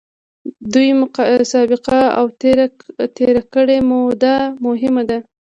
دوی سابقه او تېره کړې موده مهمه ده.